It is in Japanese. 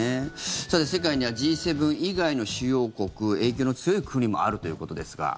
さて、世界にはＧ７以外の主要国影響の強い国もあるということですが。